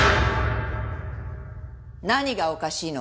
何がおかしいの？